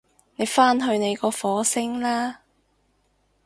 你返去你個火星啦